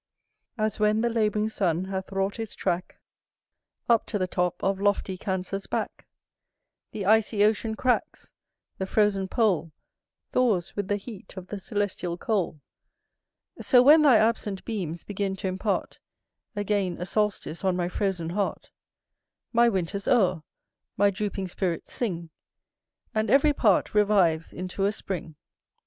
"As when the labouring sun hath wrought his track Up to the top of lofty Cancer's back, The icy ocean cracks, the frozen pole Thaws with the heat of the celestial coal; So when thy absent beams begin t' impart Again a solstice on my frozen heart, My winter's o'er, my drooping spirits sing, And every part revives into a spring.